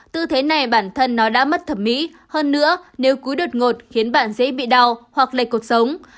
tư thế này bản thân nó đã mất thẩm mỹ hơn nữa nếu cúi đột ngột khiến bạn dễ bị đau hoặc lây cuộc sống